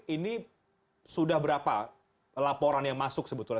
ini sudah berapa laporan yang masuk sebetulnya